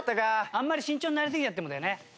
あんまり慎重になりすぎちゃってもだよね。